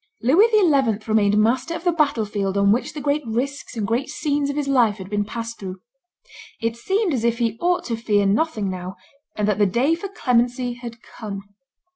Louis XI. remained master of the battle field on which the great risks and great scenes of his life had been passed through. It seemed as if he ought to fear nothing now, and that the day for clemency had come.